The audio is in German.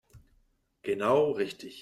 Genau richtig.